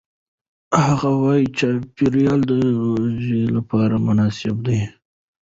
هغه وايي چاپېریال د روژې لپاره مناسب دی.